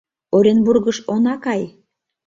Оренбургыш она кай...